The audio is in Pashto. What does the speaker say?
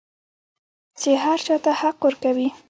چې هر چا ته حق ورکوي.